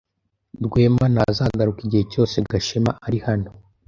Rwema ntazagaruka igihe cyose Gashema ari hano.